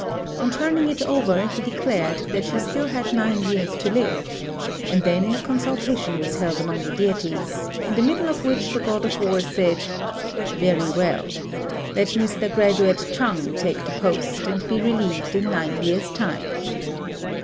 On turning it over, he declared that she still had nine years to live; and then a consultation was held among the deities, in the middle of which the God of War said, "Very well. Let Mr. graduate Chang take the post, and be relieved in nine years' time."